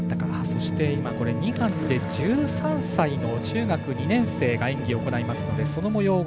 そして、２班で１３歳の中学２年生が演技を行います。